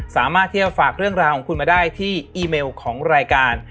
สามารถที่จะฝากเรื่องราวของคุณมาได้ที่อีเมลของรายการ